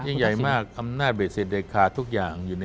ยิ่งใหญ่มากอำนาจเบสเศรษฐ์เด็ดขาดทุกอย่างอยู่ในมือไง